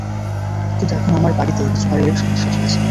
কিন্তু এখন আমার বাড়ীতে কিছু পারিবারিক সমস্যা চলছে।